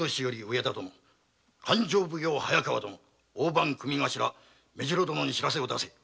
上田殿勘定奉行・早川殿大番組頭目白殿に知らせを出せ！